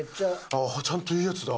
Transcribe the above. あっちゃんといいやつだ。